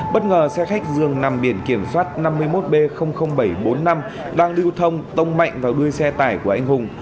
bất ngờ xe khách dường nằm biển kiểm soát năm mươi một b bảy trăm bốn mươi năm đang lưu thông tông mạnh vào đuôi xe tải của anh hùng